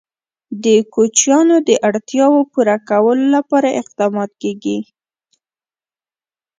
د کوچیانو د اړتیاوو پوره کولو لپاره اقدامات کېږي.